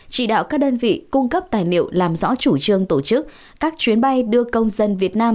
chỉ đạo các đơn vị cung cấp tài liệu làm rõ chủ trương tổ chức các chuyến bay đưa công dân việt nam